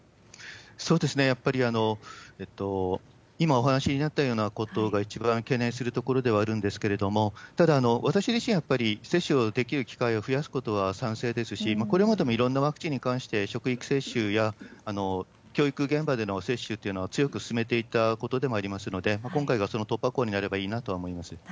やっぱり、今お話にあったようなことが一番懸念するところではあるんですけれども、ただ私自身、やっぱり接種をできる機会を増やすことは賛成ですし、これまでもいろんなワクチンに関して職域接種や、教育現場での接種というのは強く進めていたことでもありますので、今回がその突破口になればいいなとは思います。